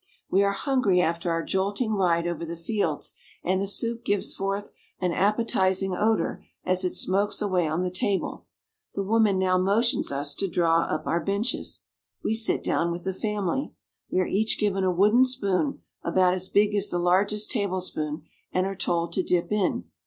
We are hungry after our jolting ride over the fields, and the soup gives forth an appetizing odor as it smokes away on the table. The woman now motions us to draw up our benches. We sit down with the, family. We are 326 RUSSIA. each given a wooden spoon about as big as the largest tablespoon, and are told to dip in.